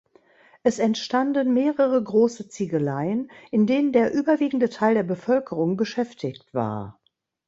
Es entstanden mehrere große Ziegeleien, in denen der überwiegende Teil der Bevölkerung beschäftigt war.